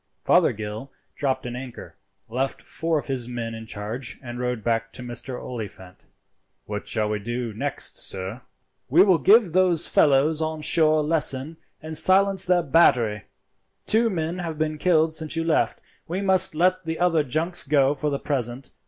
Fothergill dropped an anchor, left four of his men in charge, and rowed back to Mr. Oliphant. "What shall we do next, sir?" "We will give those fellows on shore a lesson, and silence their battery. Two men have been killed since you left. We must let the other junks go for the present.